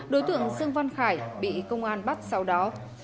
đối tượng dương văn khải bị công an bắt sau đó